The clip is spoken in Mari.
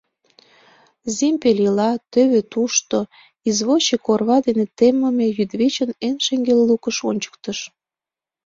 — Зимпель ила, тӧвӧ тушто, — извозчик орва дене темыме йӱдвечын эн шеҥгел лукыш ончыктыш.